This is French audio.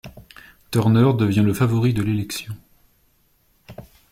Turner devient le favori de l'élection.